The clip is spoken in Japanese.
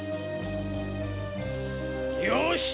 よし！